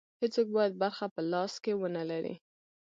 هېڅوک باید برخه په لاس کې ونه لري.